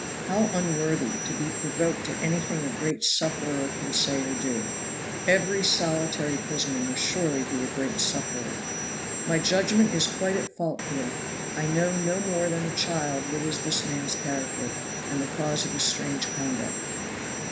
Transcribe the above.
How unworthy, to be provoked at anything a great sufferer can say or do; every solitary prisoner must surely be a great sufferer. My judgment is quite at fault here. I know no more than a child what is this man's character, and the cause of his strange conduct.